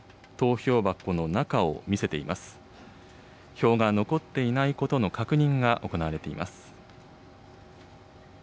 票が残っていないことの確認が行われています。